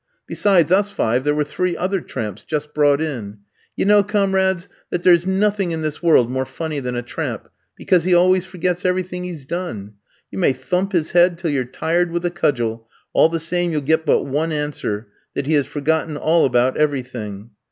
Besides us five, there were three other tramps, just brought in. You know, comrades, that there's nothing in this world more funny than a tramp, because he always forgets everything he's done. You may thump his head till you're tired with a cudgel; all the same, you'll get but one answer, that he has forgotten all about everything.